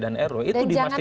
dan jangan politik uang ya